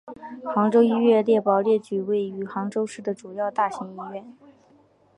杭州医院列表列举位于杭州市的主要大型医院。